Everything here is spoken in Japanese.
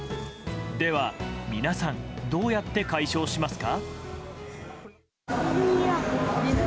では皆さんどうやって解消しますか？